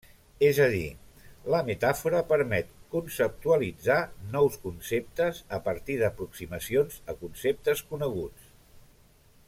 És a dir, la metàfora permet conceptualitzar nous conceptes a partir d'aproximacions a conceptes coneguts.